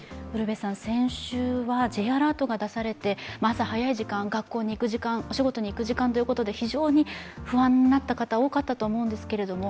先週はＪアラートが出されて、朝早い時間、学校に行く時間、お仕事に行く時間ということで非常に不安になった方、多かったと思うんですけれども、